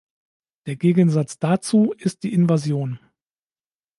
Der Gegensatz dazu ist die Invasion.